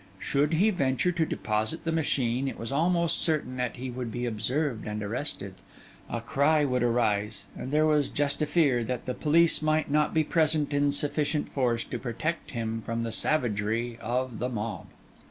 Should he venture to deposit the machine, it was almost certain that he would be observed and arrested; a cry would arise; and there was just a fear that the police might not be present in sufficient force, to protect him from the savagery of the mob.